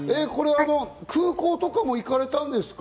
空港とかも行かれたんですか？